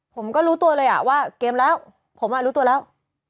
ผมก็รู้ตัวเลยว่าเกมแล้วผมรู้ตัวแล้ว